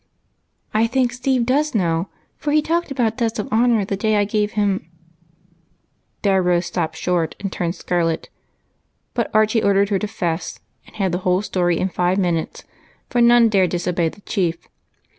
" I think Steve does know, for he talked about debts of honor the day I gave him —" There Rose stoi^ped short and turned scarlet. But Archie ordered her to " fess," and had the whole story in five minutes, for none dared disobey the Chief.